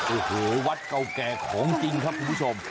โอ้โหวัดเก่าแก่ของจริงครับคุณผู้ชม